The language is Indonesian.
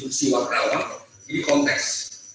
peristiwa kerawang ini konteks